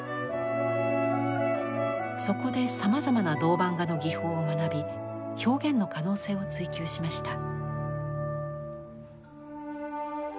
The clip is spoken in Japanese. そこでさまざまな銅版画の技法を学び表現の可能性を追求しました。